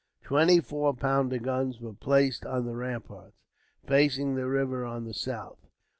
Twenty four pounder guns were placed on the ramparts, facing the river on the south.